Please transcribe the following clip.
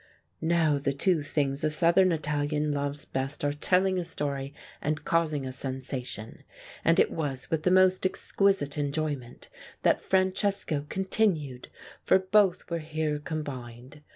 " Now the two things a Southern Italian loves best are telling a story and causing a sensation. And it was with the most exquisite enjoyment that Francesco continued, for both were here com bined.